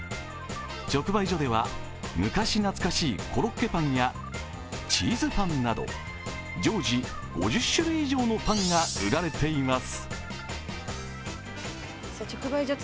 直売所では、昔懐かしいコロッケパンや、チーズパンなど、常時、５０種類以上のパンが売られています。